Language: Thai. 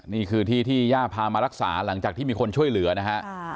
นี่คือที่ที่ย่าพามารักษาหลังจากที่มีคนช่วยเหลือนะฮะ